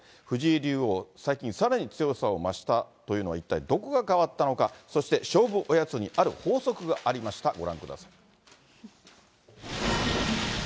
藤井竜王、最近、さらに強さを増したというのは、一体どこが変わったのか、そして勝負おやつに、ある法則がありました。